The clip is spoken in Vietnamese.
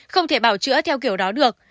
không thể bào chữa theo kiểu đó được